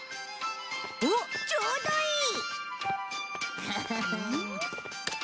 おっちょうどいい！